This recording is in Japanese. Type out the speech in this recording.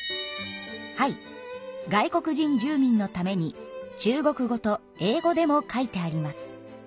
はい外国人住民のために中国語と英語でも書いてあります。